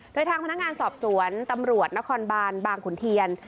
โดยทางพนักงานสอบสวนตำรวจนครบานบางขุนเทียน